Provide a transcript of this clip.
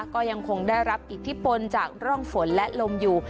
ก็ยังคงได้รับอิทธิพลจากร่องฝนและลมอยู่